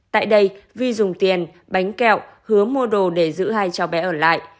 tại đây vi dùng tiền bánh kẹo hứa mua đồ để giữ hai cháu bé ở lại